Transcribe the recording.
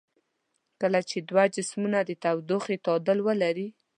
کله چې دوه جسمونه د تودوخې تعادل ولري.